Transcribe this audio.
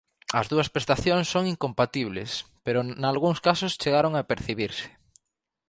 As dúas prestacións son incompatibles, pero nalgúns casos chegaron a percibirse.